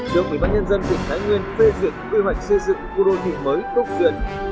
được quỹ ban nhân dân thành phố thái nguyên phê duyệt quy hoạch xây dựng khu đô thị mới túc duyên